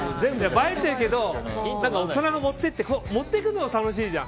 映えてるけど持っていくのも楽しいじゃん。